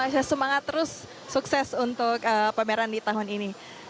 saya semangat terus sukses untuk pameran di tahun ini